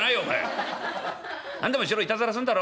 何でもしろいたずらすんだろ？